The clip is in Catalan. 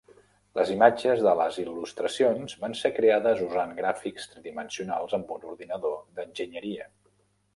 Les imatges de les il·lustracions van ser creades usant gràfics tridimensionals amb un ordinador d'enginyeria.